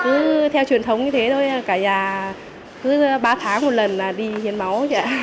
cứ theo truyền thống như thế thôi cả gia cứ ba tháng một lần đi hiến máu